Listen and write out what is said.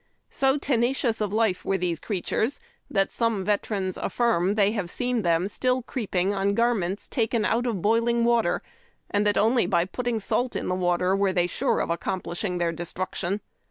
So tenacious of life were these creatures tliat some veterans afhrm they have seen them still cree[)ing on gar ments taken out "of boiling/ ivater^ and that only b}^ putting salt in the water were they sure of ac complishing their destruction.